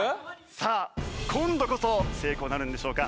さあ今度こそ成功なるんでしょうか？